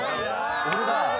俺だ。